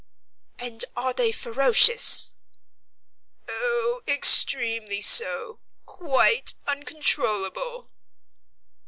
"And are they ferocious?" "Oh, extremely so quite uncontrollable."